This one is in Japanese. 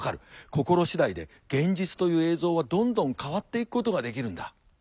心次第で現実という映像はどんどん変わっていくことができるんだ。